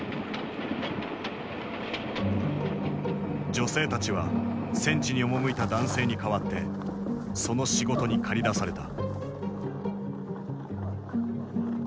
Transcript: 女性たちは戦地に赴いた男性に代わってその仕事に駆り出された。